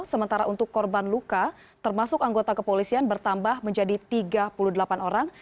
sementara untuk korban luka termasuk anggota kepolisian bertambah menjadi tiga puluh delapan orang